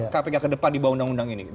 kpk kedepan dibawa undang undang ini